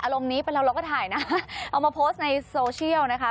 ลงนี้เป็นเราเราก็ถ่ายนะเอามาโพสต์ในโซเชียลนะคะ